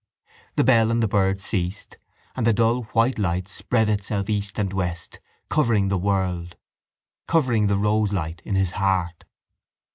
The bell and the bird ceased; and the dull white light spread itself east and west, covering the world, covering the roselight in his heart.